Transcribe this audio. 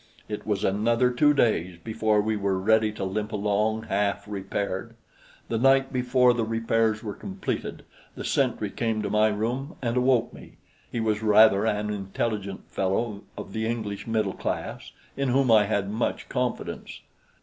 It was another two days before we were ready to limp along, half repaired. The night before the repairs were completed, the sentry came to my room and awoke me. He was rather an intelligent fellow of the English middle class, in whom I had much confidence.